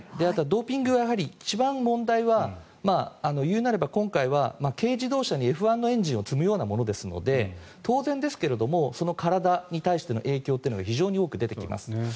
あとはドーピングは一番の問題は、言うなれば今回は軽自動車にＦ１のエンジンを積むようなものですので当然ですがその体に対しての影響というのは非常に多く出てきます。